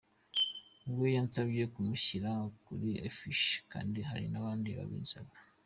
We yansabye kumushyira kuri affiche kandi hari n’abandi babinsaba.